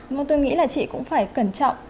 mà tôi nghĩ là chị cũng phải cẩn trọng